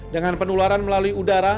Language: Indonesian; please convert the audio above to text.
dengan penularan melalui udara